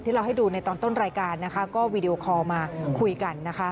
เราให้ดูในตอนต้นรายการนะคะก็วีดีโอคอลมาคุยกันนะคะ